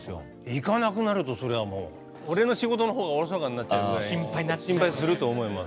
行かなくなると、そりゃもう俺の仕事のほうが疎かになっちゃうぐらい心配すると思います。